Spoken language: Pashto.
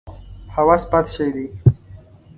هوس بد شی دی.